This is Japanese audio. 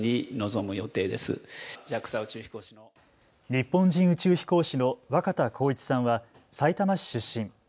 日本人宇宙飛行士の若田光一さんはさいたま市出身。